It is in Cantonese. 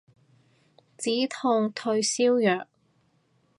止痛退燒藥